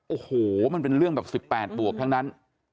โอ้โหมันเป็นเรื่องแบบ๑๘บวกทั้งนั้น